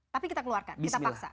tapi kita keluarkan kita paksa